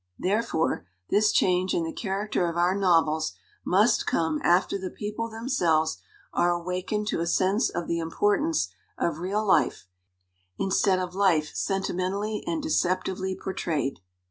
Therefore this change in the character of our novels must come after the people themselves are awakened to a sense of the importance of real life, instead of life sentimentally and deceptively portrayed.